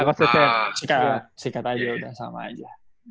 coach cecep sikat aja udah sama aja